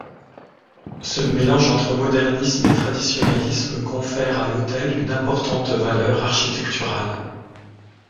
Ce mélange entre modernisme et traditionalisme confère à l'hôtel une importante valeur architecturale.